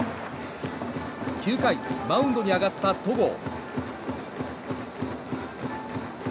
９回、マウンドに上がった戸郷。